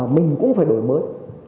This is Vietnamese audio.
mình cũng phải đổi mới